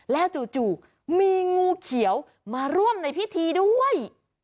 แล้วจู่มีงูเขียวมาร่วมในพิธีด้วย